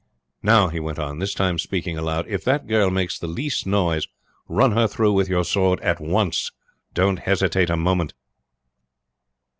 "Now," he went on, this time speaking aloud, "if that girl makes the least noise, run her through with your sword at once. Don't hesitate a moment."